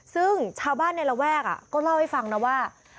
ซึ่งชาวบ้านในระแวกก็เล่าให้ฟังนะว่า